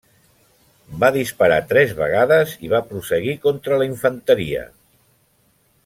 Va disparar tres vegades i va prosseguir contra la infanteria.